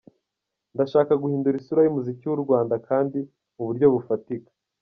Ndashaka guhindura isura y’umuziki w’u Rwanda kandi mu buryo bufatika.